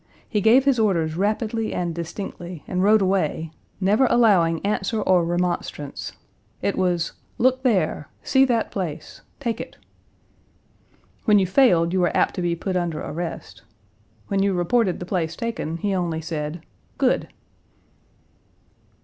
He gave his orders rapidly and distinctly and rode away, never allowing answer or remonstrance. It was, 'Look there see that place take it!' When you failed you were apt to be put under arrest. When you reported the place taken, he only said, 'Good!'